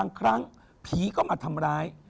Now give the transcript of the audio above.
ครั้งผีก็มาทำร้าย